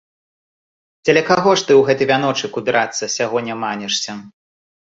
Дзеля каго ж ты гэта ў вяночак убірацца сягоння манішся?